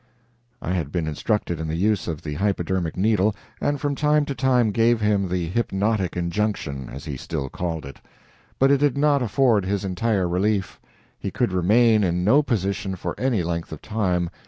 I had been instructed in the use of the hypodermic needle, and from time to time gave him the "hypnotic injunction," as he still called it. But it did not afford him entire relief. He could remain in no position for any length of time.